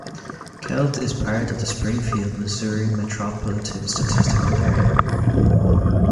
Celt is part of the Springfield, Missouri Metropolitan Statistical Area.